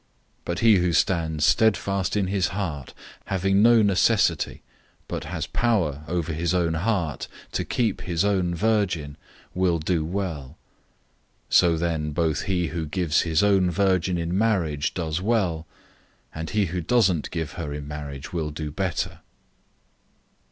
007:037 But he who stands steadfast in his heart, having no necessity, but has power over his own heart, to keep his own virgin, does well. 007:038 So then both he who gives his own virgin in marriage does well, and he who doesn't give her in marriage does better.